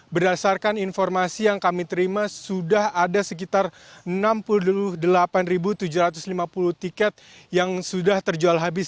berdasarkan informasi yang kami terima sudah ada sekitar enam puluh delapan tujuh ratus lima puluh tiket yang sudah terjual habis